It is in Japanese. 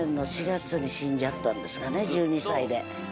１２歳で。